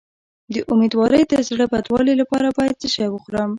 د امیدوارۍ د زړه بدوالي لپاره باید څه شی وخورم؟